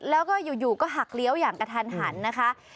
แล้วก็อยู่ก็หักเลี้ยวอย่างกระทันหันนะคะ